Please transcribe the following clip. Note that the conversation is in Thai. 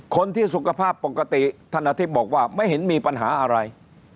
สุขภาพปกติท่านอธิบบอกว่าไม่เห็นมีปัญหาอะไร